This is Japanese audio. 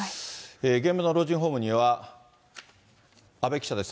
現場の老人ホームには、阿部記者です。